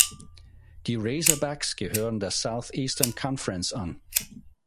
Die Razorbacks gehören der Southeastern Conference an.